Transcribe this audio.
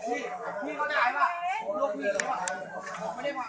กลับมาเช็ดตาของมอง